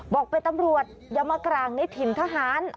บอกเป็นตำรวจอย่ามากร่างในถิ่นทหาร